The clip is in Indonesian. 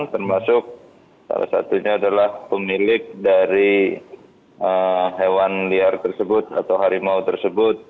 termasuk salah satunya adalah pemilik dari hewan liar tersebut atau harimau tersebut